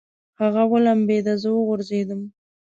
هغه ولمبېده، زه وغورځېدم.